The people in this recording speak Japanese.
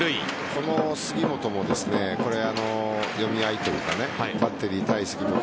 この杉本も読み合いというかバッテリー対杉本